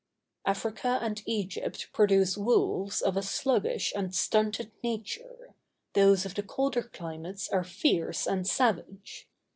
Africa and Egypt produce wolves of a sluggish and stunted nature; those of the colder climates are fierce and savage.